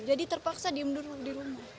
jadi terpaksa diem dulu di rumah